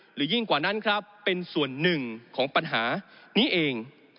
ยิ่งกว่านั้นครับเป็นส่วนหนึ่งของปัญหานี้เอง